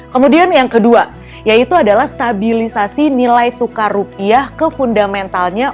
kemudian yang kedua yaitu adalah stabilisasi nilai tukar rupiah ke fundamentalnya